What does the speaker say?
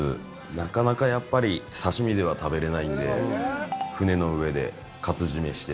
なかなかやっぱり刺身では食べれないんで船の上で活締めして。